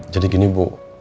jadi gini bu